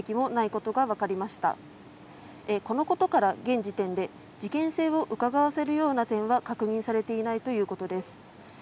このことから現時点で事件性をうかがわせるような点は確認されていないということです。